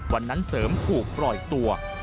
วันนั้นเสริมถูกปล่อยตัว